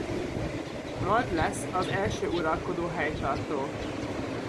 Mardd lesz az első uralkodó helytartó.